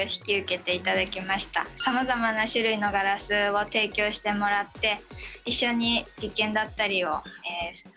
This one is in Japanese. さまざまな種類のガラスを提供してもらって一緒に実験だったりを行っていきました。